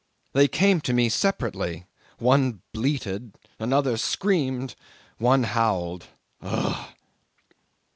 They came to me separately: one bleated, another screamed, one howled. Ough!"